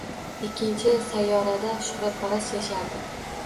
Ikkinchi sayyorada shuhratparast yashardi.